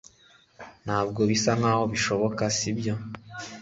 Ntabwo bisa nkaho bishoboka sibyo